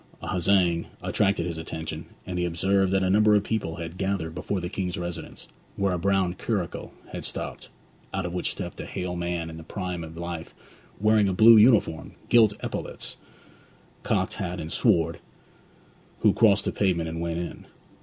A huzzaing attracted his attention, and he observed that a number of people had gathered before the King's residence, where a brown curricle had stopped, out of which stepped a hale man in the prime of life, wearing a blue uniform, gilt epaulettes, cocked hat, and sword, who crossed the pavement and went in.